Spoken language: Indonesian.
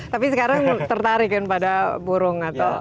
tapi sekarang tertarik kan pada burung atau